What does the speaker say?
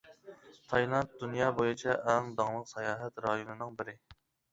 تايلاند دۇنيا بويىچە ئەڭ داڭلىق ساياھەت رايونىنىڭ بىرى.